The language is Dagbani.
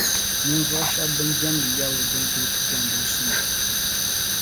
ninvuɣ’ shɛb’ bɛn jɛmdi Yawɛ bɛn’ kul ku kɔŋ binsuma.